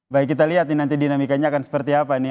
baik kita lihat ini nanti dinamikanya akan seperti apa nih